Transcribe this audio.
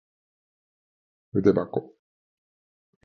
ふでばこ